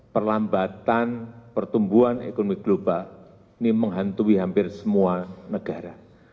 perlambatan pertumbuhan ekonomi global ini menghantui hampir semua negara